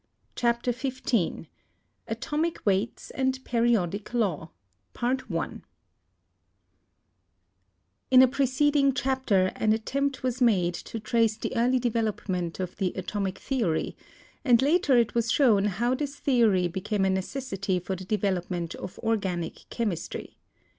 CHAPTER XV THE ATOMIC WEIGHTS AND THE PERIODIC LAW In a preceding chapter an attempt was made to trace the early development of the atomic theory, and later it was shown how this theory became a necessity for the development of organic chemistry.